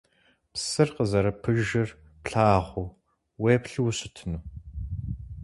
Псыр къызэрыпыжыр плъагъуу, уеплъу ущытыну?